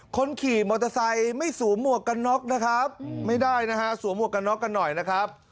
คนขี่มอเตอร์ไซค์ไม่สวมหมวกกันน็อกนะครับไม่ได้นะฮะสวมหวกกันน็อกกันหน่อยนะครับ